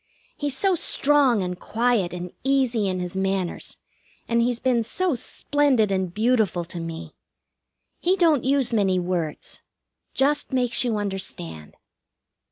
He's so strong and quiet and easy in his manners, and he's been so splendid and beautiful to me. He don't use many words. Just makes you understand.